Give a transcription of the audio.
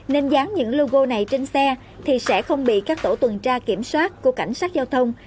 nên dán những logo này trên xe thì sẽ không bị các tổ tuần tra kiểm soát của cảnh sát giao thông